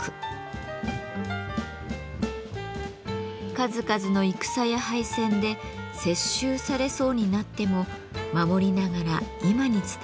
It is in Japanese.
数々の戦や敗戦で接収されそうになっても守りながら今に伝えられました。